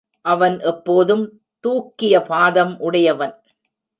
அவன் எப்போதும் தூக்கிய பாதம் உடையவன்.